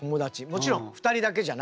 もちろん２人だけじゃないからね